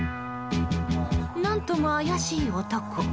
何とも怪しい男。